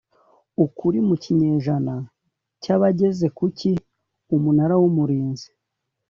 Ukuri mu kinyejana cya bageze ku ki umunara w umurinzi